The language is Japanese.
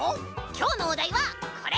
きょうのおだいはこれ！